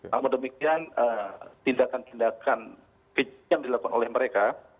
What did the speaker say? namun demikian tindakan tindakan yang dilakukan oleh mereka